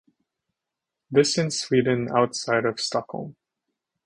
This in Sweden outside of Stockholm.